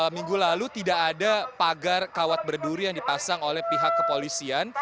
minggu lalu tidak ada pagar kawat berduri yang dipasang oleh pihak kepolisian